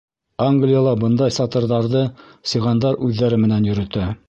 Англияла бындай сатырҙарҙы сиғандар үҙҙәре менән йөрөтә.